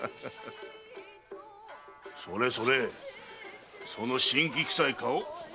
それそれその辛気くさい顔。